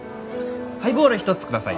ハイボール１つください。